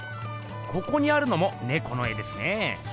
ここにあるのも猫の絵ですね。